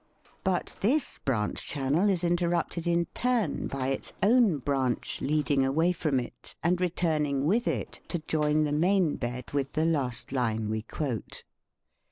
But this branch channel is interrupted in turn by its own branch leading away from 47 THE SPEAKING VOICE it and returning with it to join the main bed with the last line we quote.